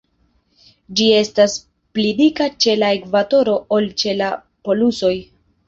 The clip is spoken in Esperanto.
Ĝi estas pli dika ĉe la ekvatoro ol ĉe la polusoj.